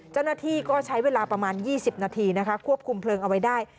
เจ้าหน้าที่ก็ใช้เวลาประมาณ๒๐นาทีนะคะควบคุมเพลิงเอาไว้ได้